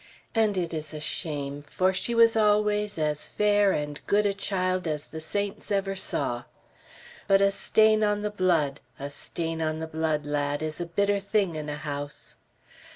And it is a shame, for she was always as fair and good a child as the saints ever saw. But a stain on the blood, a stain on the blood, lad, is a bitter thing in a house.